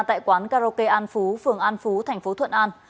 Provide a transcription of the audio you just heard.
tại quán karaoke an phú phường an phú thành phố thuận an